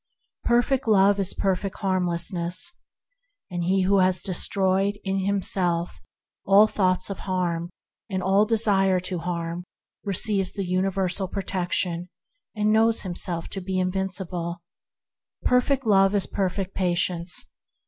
Perfect Love is perfect Harmlessness. He who has destroyed in himself all thoughts of harm and all desire to harm, receives the uni versal protection, and knows himself to be invincible. Perfect Love is perfect Patience.